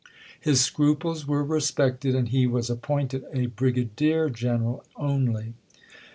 His scruples were respected, and he was appointed a brigadier general only.